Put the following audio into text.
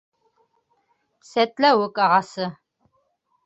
Сәтләүек ағасы.